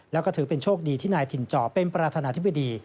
แล้วก็ถือเป็นโชคดีที่นายถิ่นจอเป็นประธานาธิบดี